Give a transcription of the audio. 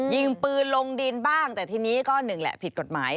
ยิงปืนลงดินบ้างแต่ทีนี้ก็หนึ่งแหละผิดกฎหมาย